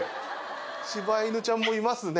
柴犬ちゃんもいますね。